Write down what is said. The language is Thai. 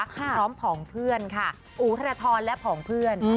พร้อมผองเพื่อนค่ะอู๋ธนทรและผองเพื่อน